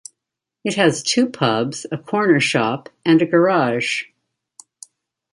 It has two pubs a 'corner shop' and a garage.